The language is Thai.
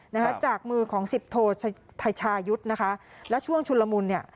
นะคะจากมือของสิบโทไทยชายุทธ์นะคะแล้วช่วงชุนละมุนเนี่ย